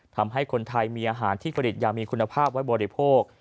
ทำให้คนไทยมีอาหารที่ผลิตอย่างมีคุณภาพไว้บริโภค